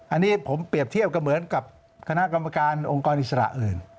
อันนี้ผมเปรียบเทียบก็เหมือนกับคณะกรรมการองค์กรอิสระอื่น